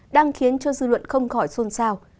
đang khiến cho dư luận không khỏi xôn xao